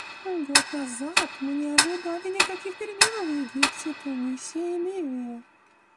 Год назад мы не ожидали никаких перемен в Египте, Тунисе и Ливии.